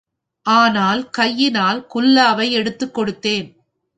ஆனால், கையினால் குல்லாவை எடுத்துக் கொடுத்தேன்.